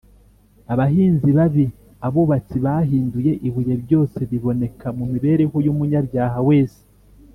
abahinzi babi, abubatsi bahinyuye ibuye, byose biboneka mu mibereho y’umunyabyaha wese